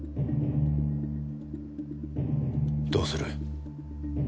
どうする？